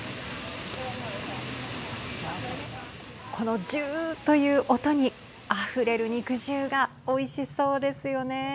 このジューという音にあふれる肉汁がおいしそうですよね。